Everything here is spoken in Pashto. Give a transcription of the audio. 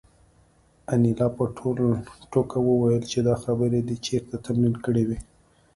انیلا په ټوکه وویل چې دا خبرې دې چېرته تمرین کړې وې